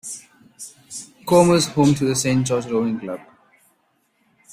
Como is home to the Saint George Rowing Club.